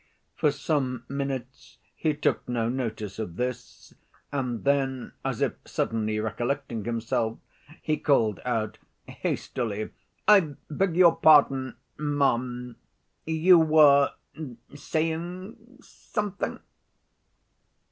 For some minutes he took no notice of this; and then, as if suddenly recollecting himself, he called out hastily, "I beg your pardon, ma'am, you were saying something?"